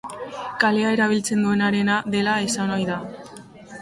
Kalea erabiltzen duenarena dela esan ohi da.